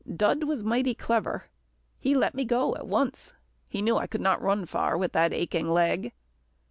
Dud was mighty clever. He let me go at once. He knew I could not run far with that aching leg.